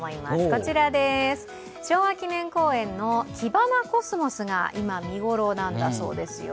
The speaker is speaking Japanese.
こちらです、昭和記念公園のキバナコスモスが今、見頃なんだそうですよ。